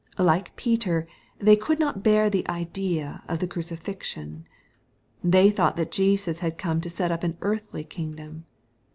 Like Peter, they could not bear the idea of the crucifixion. They thought that Jesus had come to set up an earthly kingdom.